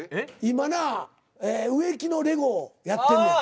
今な植木のレゴをやってんねん。